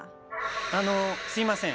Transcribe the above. あのすいません。